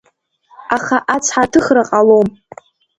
Аха ацҳа аҭыхра ҟалом!